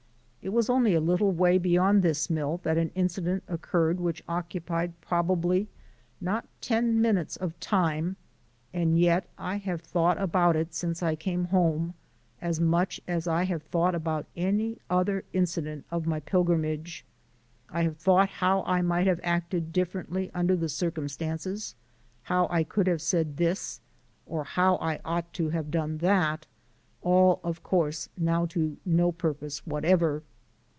It was only a little way beyond this mill that an incident occurred which occupied probably not ten minutes of time, and yet I have thought about it since I came home as much as I have thought about any other incident of my pilgrimage. I have thought how I might have acted differently under the circumstances, how I could have said this or how I ought to have done that all, of course, now to no purpose whatever.